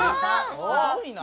すごいな！